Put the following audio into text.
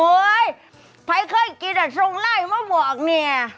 เฮ้ยภัยเคยกินอะชงไหล่มาบอกนี่